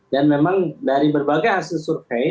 dan memang dari berbagai hasil survei